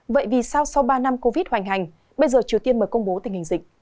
vậy vì sau sau ba năm covid hoành hành bây giờ triều tiên mới công bố tình hình dịch